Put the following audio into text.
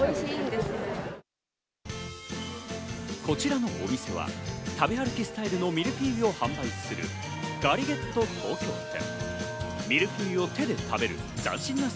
こちらのお店は、食べ歩きスタイルのミルフィーユを販売する、ＧＡＲＩＧＵＥＴＴＥ東京店。